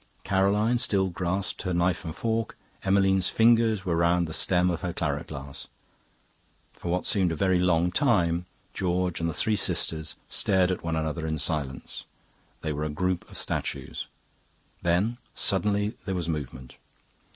Caroline still grasped her knife and fork; Emmeline's fingers were round the stem of her claret glass. For what seemed a very long time, George and the three sisters stared at one another in silence. They were a group of statues. Then suddenly there was movement.